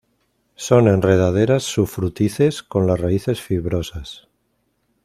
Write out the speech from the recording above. Son enredaderas sufrutices, con las raíces fibrosas.